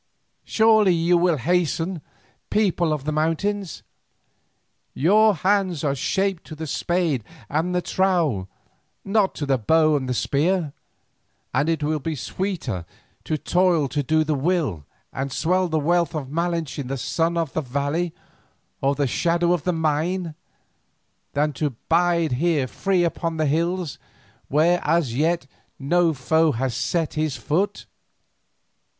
Surely you will hasten, people of the mountains! Your hands are shaped to the spade and the trowel, not to the bow and the spear, and it will be sweeter to toil to do the will and swell the wealth of Malinche in the sun of the valley or the shadow of the mine, than to bide here free upon your hills where as yet no foe has set his foot!"